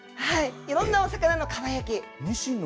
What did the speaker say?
いろんなお魚のかば焼き。